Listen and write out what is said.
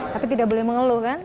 tapi tidak boleh mengeluh kan